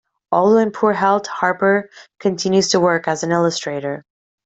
Although in poor health, Harper continues to work as an illustrator.